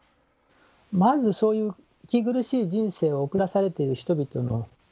まずそういう息苦しい人生を送らされている人々の知識を持つこと。